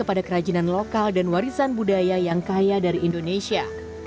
pada kerajinan lokal dan warisan budaya yang kaya dari indonesia